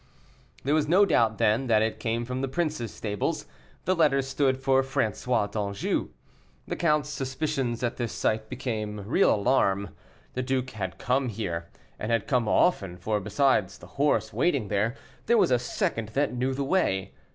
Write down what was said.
There was no doubt, then, that it came from the prince's stables; the letters stood for François d'Anjou. The count's suspicions at this sight became real alarm; the duke had come here, and had come often, for, besides the horse waiting there, there was a second that knew the way.